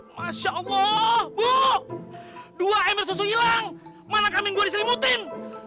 masya allah bu dua ember susu hilang mana kami gua diselimutin